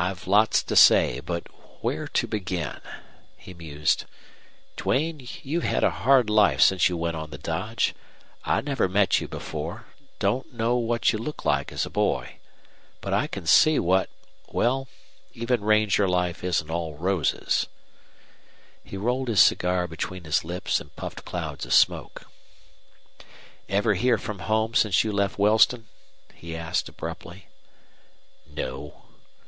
"I've lots to say, but where to begin," he mused. "Duane, you've had a hard life since you went on the dodge. I never met you before, don't know what you looked like as a boy. But I can see what well, even ranger life isn't all roses." He rolled his cigar between his lips and puffed clouds of smoke. "Ever hear from home since you left Wellston?" he asked, abruptly. "No."